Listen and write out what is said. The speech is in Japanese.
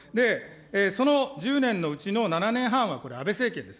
その１０年のうちの７年半はこれ、安倍政権です。